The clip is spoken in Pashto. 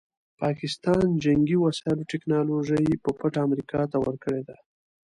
پاکستان جنګي وسایلو ټیکنالوژي په پټه امریکا ته ورکړې ده.